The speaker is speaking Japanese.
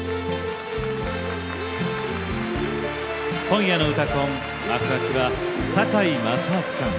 今夜の「うたコン」幕開きは堺正章さん。